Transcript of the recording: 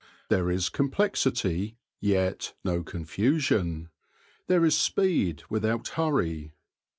There is complexity, yet no confusion ; there is speed without hurry.